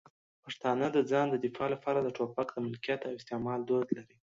پښتانه د ځان د دفاع لپاره د ټوپک د ملکیت او استعمال دود لري.